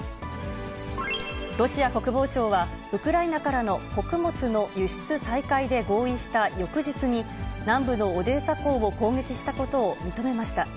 ロシア国防省は、ウクライナからの穀物の輸出再開で合意した翌日に、南部のオデーサ港を攻撃したことを認めました。